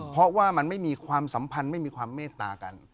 เพราะว่ามันไม่มีความสัมพันธ์ไม่มีความเมตตากัน